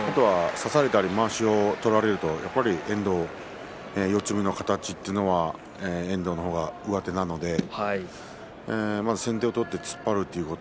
差されたりまわしを取られるとやっぱり四つ身の形というのは遠藤の方が上手なので先手を取って突っ張るということ